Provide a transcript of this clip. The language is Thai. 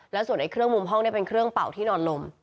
แล้วส่วนเครื่องมุมห้องเป็นเครื่องเป่าที่นอนลม